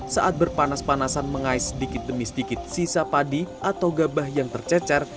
saat berpanas panasan mengais sedikit demi sedikit sisa padi atau gabah yang tercecer